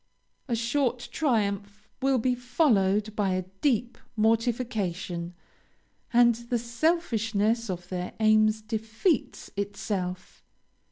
A short triumph will be followed by a deep mortification, and the selfishness of their aims defeats itself.